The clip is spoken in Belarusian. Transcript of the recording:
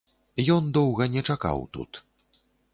Ён доўга не чакаў тут.